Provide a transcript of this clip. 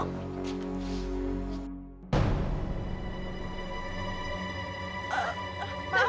tante mau ke kubur